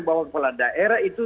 bahwa kepala daerah itu